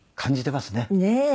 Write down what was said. ねえ。